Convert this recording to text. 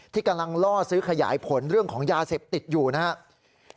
ที่กำลังล่อซื้อขยายผลเรื่องของยาเสพติดอยู่นะครับ